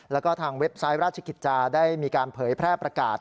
แล้วก็ทางเว็บไซต์ราชกิจจาได้มีการเผยแพร่ประกาศ